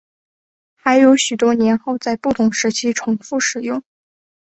还有许多年号在不同时期重复使用。